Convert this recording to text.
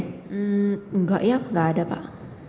tidak tidak ada pak